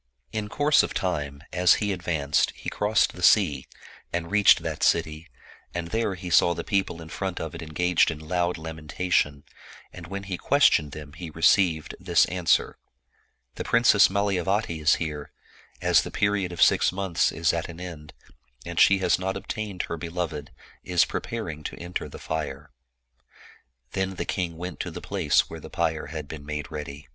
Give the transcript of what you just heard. In course of time, as he advanced, he crossed the sea, and reached that city, and there he saw the people in front of it engaged in loud lamentation, and when he questioned them, he received this answer, " The Princess Malayavati here, as the period of six months is at an end, and she has not ob tained her beloved, is preparing to enter the fire." Then the king went to the place where the pyre had been made ready.